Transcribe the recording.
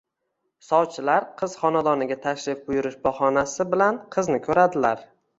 sovchilar qiz xonadoniga tashrif buyurish bahoniasi bilan qizni ko’radilar.